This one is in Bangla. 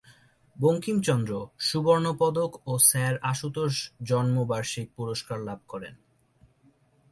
বঙ্কিমচন্দ্র সুবর্ণ পদক ও স্যার আশুতোষ জন্ম বার্ষিক পুরস্কার লাভ করেন।